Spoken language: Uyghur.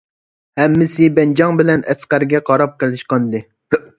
ھەممىسى بەنجاڭ بىلەن ئەسقەرگە قاراپ قېلىشقانىدى.